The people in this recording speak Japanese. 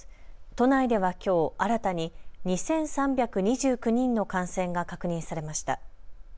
都内ではきょう新たに２３２９人の感染が確認されました。